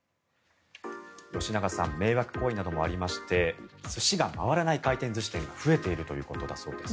吉永さん迷惑行為などもありまして寿司が回らない回転寿司店が増えているということだそうです。